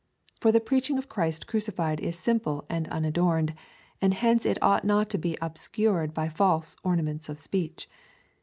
For the preaching of Christ crucified is simple and unadorned, and hence it ought not to be ob scured by false ornaments of speech.